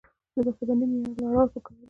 د بسته بندۍ معیار لوړول پکار دي